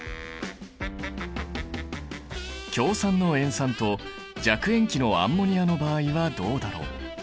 強酸の塩酸と弱塩基のアンモニアの場合はどうだろう？